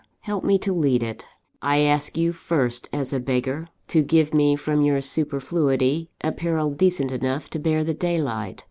Help me to lead it. I ask you, first, as a beggar, to give me from your superfluity, apparel decent enough to bear the daylight.